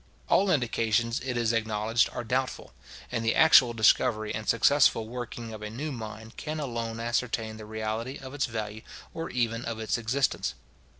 All indications, it is acknowledged, are doubtful; and the actual discovery and successful working of a new mine can alone ascertain the reality of its value, or even of its existence.